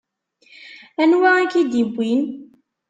Anwa i k-id-iwwin?